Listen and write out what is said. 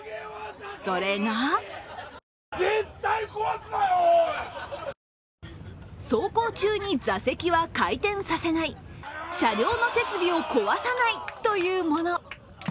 それが走行中に座席は回転させない車両の設備を壊さないというもの。